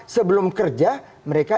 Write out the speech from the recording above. sebelum kerja mereka